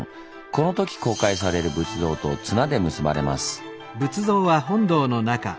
このとき公開される仏像と綱で結ばれます。